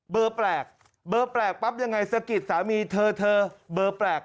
แปลกเบอร์แปลกปั๊บยังไงสะกิดสามีเธอเธอเบอร์แปลก